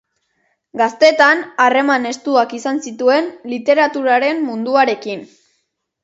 Gaztetan, harreman estuak izan zituen literaturaren munduarekin.